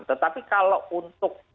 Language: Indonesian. tetapi kalau untuk